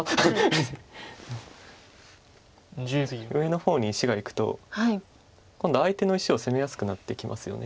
上の方に石がいくと今度相手の石を攻めやすくなってきますよね。